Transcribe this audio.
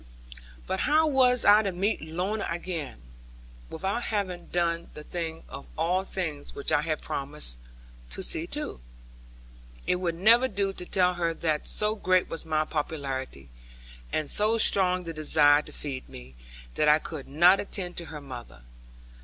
But how was I to meet Lorna again, without having done the thing of all things which I had promised to see to? It would never do to tell her that so great was my popularity, and so strong the desire to feed me, that I could not attend to her mother.